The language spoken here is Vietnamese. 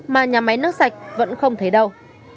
mà nhà máy nước sạch vẫn không thấy đâu